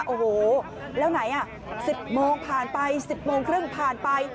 โอ้โหแล้วไหน๑๐โมงผ่านไป๑๐โมงครึ่งผ่านไป